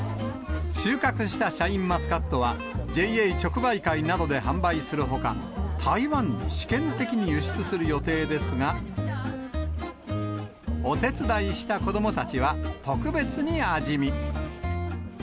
収穫したシャインマスカットは、ＪＡ直売会などで販売するほか、台湾に試験的に輸出する予定ですが、お手伝いした子どもたちは、特別に味見。